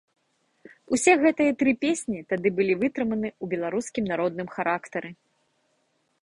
Усе гэтыя тры песні тады былі вытрыманы ў беларускім народным характары.